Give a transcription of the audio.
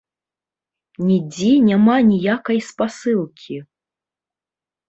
Нідзе няма ніякай спасылкі!